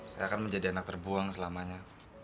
saya akan menjadi anak terbuang selamanya